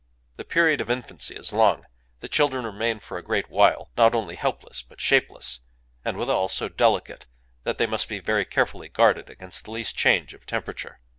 The period of infancy is long: the children remain for a great while, not only helpless, but shapeless, and withal so delicate that they must be very carefully guarded against the least change of temperature.